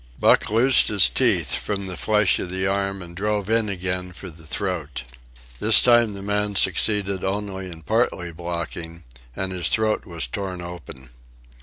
Buck loosed his teeth from the flesh of the arm and drove in again for the throat. This time the man succeeded only in partly blocking, and his throat was torn open.